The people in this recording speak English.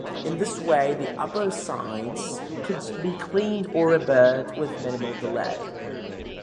In this way the upper sides could be cleaned or repaired with minimal delay.